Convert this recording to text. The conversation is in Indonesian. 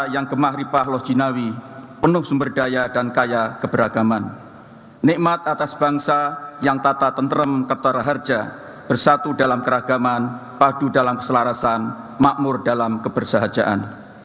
yang tata tentrem ketara harja bersatu dalam keragaman padu dalam keselarasan makmur dalam kebersahajaan